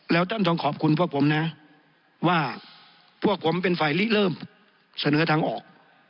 แล้วท่านต้องขอบคุณพวกผมนะว่าพวกผมเป็นฝ่ายลิเริ่มเสนอทางออก